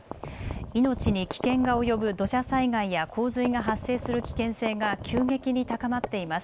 命に危険が及ぶ土砂災害や洪水が発生する危険性が急激に高まっています。